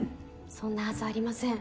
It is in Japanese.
そんなはずありません。